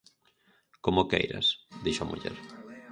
_Como queiras _dixo a muller_.